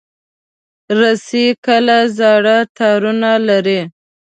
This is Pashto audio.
رسۍ کله زاړه تارونه لري.